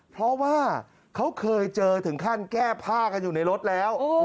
เพราะว่าเขาเคยเจอถึงขั้นแก้ผ้ากันอยู่ในรถแล้ว